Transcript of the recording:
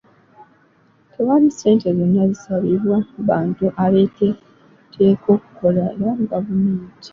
Tewali ssente zonna zisabibwa bantu abeetekateeka okukolera gavumenti.